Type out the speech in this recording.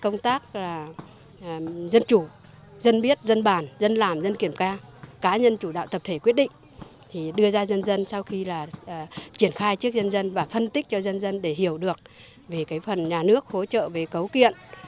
nhân dân chủ đạo tập thể quyết định đưa ra dân dân sau khi là triển khai trước dân dân và phân tích cho dân dân để hiểu được về cái phần nhà nước hỗ trợ về cấu kiện